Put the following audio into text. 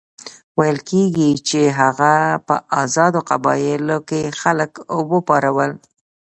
ویل کېږي چې هغه په آزادو قبایلو کې خلک وپارول.